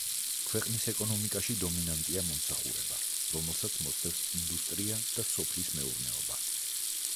ქვეყნის ეკონომიკაში დომინანტია მომსახურება, რომელსაც მოსდევს ინდუსტრია და სოფლის მეურნეობა.